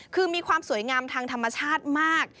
คือมีความสวยงามทางธรรมชาติมาก